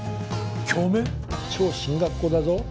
超進学校だぞ。